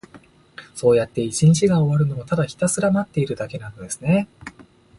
そうやって一日が終わるのを、ただひたすら待っているだけなのですね。